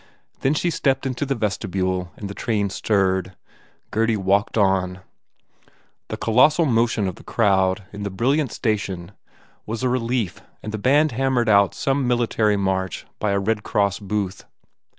Then she stepped into the vestibule and the train stirred. Gurdy walked on. The colossal motion of the crowd in the brilliant station was a relief and band hammered out some military march by a Red Cross booth.